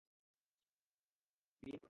বিয়ে জলদি করতে হবে।